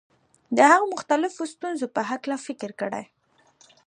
د هغو مختلفو ستونزو په هکله فکر کړی.